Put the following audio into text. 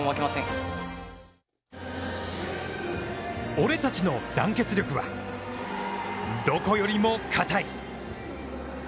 俺たちの団結力はどこよりもかたい。